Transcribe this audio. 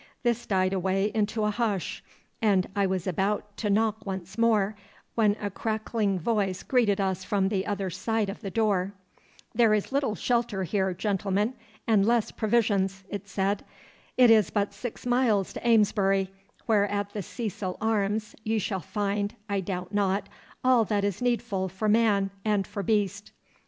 This died away into a hush, and I was about to knock once more when a crackling voice greeted us from the other side of the door. 'There is little shelter here, gentlemen, and less provisions,' it said. 'It is but six miles to Amesbury, where at the Cecil Arms ye shall find, I doubt not, all that is needful for man and for beast.